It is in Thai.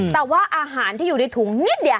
แต่ว่าอาหารที่อยู่ในถุงนิดเดียว